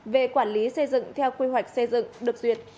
về quản lý xây dựng theo quy hoạch xây dựng được duyệt